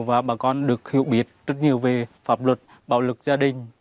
và bà con được hiểu biết rất nhiều về pháp luật bạo lực gia đình